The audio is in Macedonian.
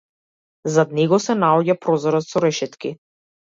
Зад него се наоѓа прозорец со решетки.